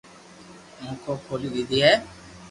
اونکو کولي ديدي ھي